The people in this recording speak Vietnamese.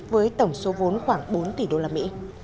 với tổng số vốn khoảng bốn tỷ usd